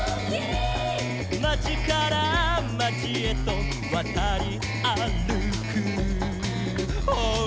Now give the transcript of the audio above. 「まちからまちへとわたりあるく」「」